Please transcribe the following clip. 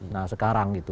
nah sekarang gitu